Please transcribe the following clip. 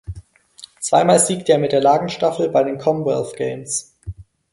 Zweimal siegte er mit der Lagenstaffel bei den Commonwealth Games.